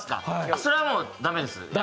それはもうだめです。